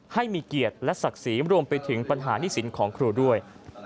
ให้มีเกียรติและศักดิ์ศรีรวมไปถึงปัญหานี่สินของครูด้วย